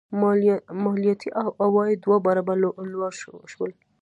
مالیاتي عواید دوه برابره لوړ شول.